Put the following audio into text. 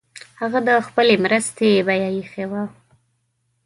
هغه د خپلي مرستي بیه ایښې وه.